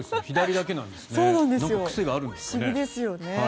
左だけなんですね。